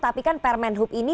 tapi kan permen hub ini